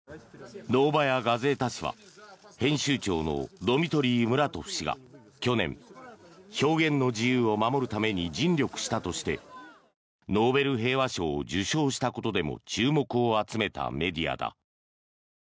ノーバヤ・ガゼータ紙は編集長のドミトリー・ムラトフ氏が去年、表現の自由を守るために尽力したとしてノーベル平和賞を受賞したことでも注目を集めたメディアだ。